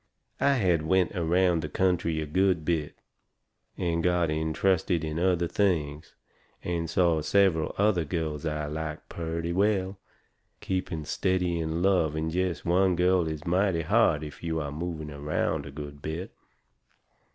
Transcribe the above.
I had went around the country a good bit, and got intrusted in other things, and saw several other girls I liked purty well. Keeping steady in love with jest one girl is mighty hard if you are moving around a good bit.